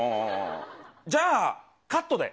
じゃあ、カットで。